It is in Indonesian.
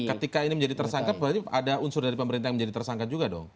ketika ini menjadi tersangka berarti ada unsur dari pemerintah yang menjadi tersangka juga dong